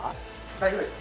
大丈夫ですよ